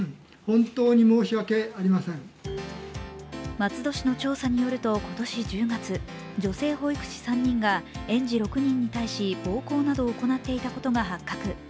松戸市の調査によると今年１０月、女性保育士３人が園児６人に対し暴行などを行っていたことが発覚。